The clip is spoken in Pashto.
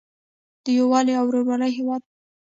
د یووالي او ورورولۍ هیواد.